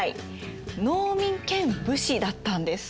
農民兼武士だったんです。